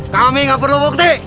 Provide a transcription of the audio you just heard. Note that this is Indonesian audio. kami gak perlu bukti